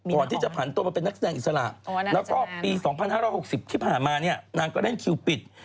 ผ่านตัวมาเป็นนักแสดงอิสระแล้วก็ปี๒๕๖๐ที่ผ่านมาเนี่ยนางก็เล่นคิวปิด